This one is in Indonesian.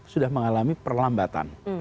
sudah mengalami perlambatan